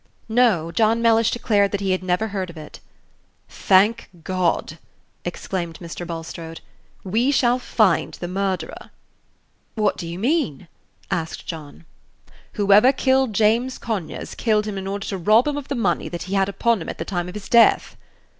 No; John Mellish declared that he had never heard of it. "Thank God!" exclaimed Mr. Bulstrode; "we shall find the murderer." "What do you mean?" asked John. "Whoever killed James Conyers, killed him in order to rob him of the money that he had upon him at the time of his death."